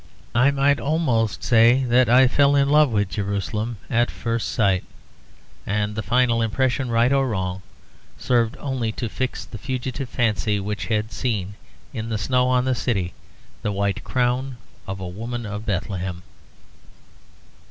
I might almost say that I fell in love with Jerusalem at first sight; and the final impression, right or wrong, served only to fix the fugitive fancy which had seen, in the snow on the city, the white crown of a woman of Bethlehem.